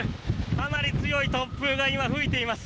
かなり強い突風が今、吹いています。